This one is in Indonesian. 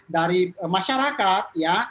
dari masyarakat ya